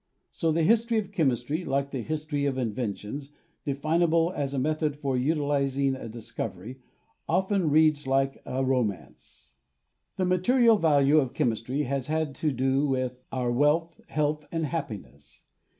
So the history of chemistry, like the history of inventions, "definable as a method for utilizing a discovery," often reads like a romance. The material value of chemistry has had to do with our wealth, health and happiness.